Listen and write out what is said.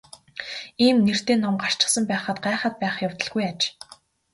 Ийм нэртэй ном гарчихсан байхад гайхаад байх явдалгүй аж.